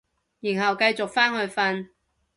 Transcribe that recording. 然後繼續返去瞓